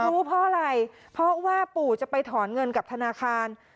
รู้เพราะอะไรเพราะว่าปู่จะไปถอนเงินกับธนาคาร